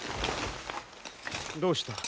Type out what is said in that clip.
どうした？